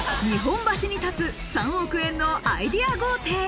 日本橋に立つ３億円のアイデア豪邸。